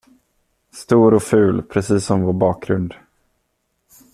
Stor och ful, precis som vår bakgrund.